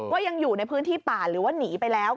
ว่ายังอยู่ในพื้นที่ป่าหรือว่าหนีไปแล้ว